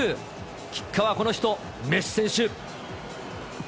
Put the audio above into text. キッカーはこの人、メッシ選手。